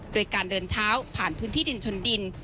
โดยการเดินเท้าผ่านพื้นที่ดินชนดิน